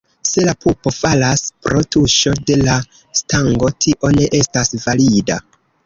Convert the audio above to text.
Se la pupo falas pro tuŝo de la stango, tio ne estas valida.